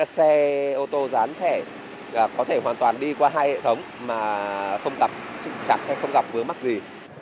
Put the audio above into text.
xe ô tô dán thẻ có thể hoàn toàn đi qua hai hệ thống mà không tập chụp chặt hay không gặp vướng mắc gì